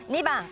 ２番。